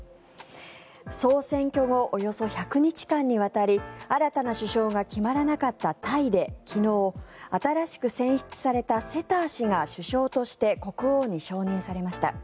総選挙後およそ１００日間にわたり新たな首相が決まらなかったタイで昨日、新しく選出されたセター氏が首相として国王に承認されました。